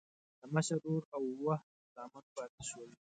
د مشر ورور اووه زامن پاتې شول.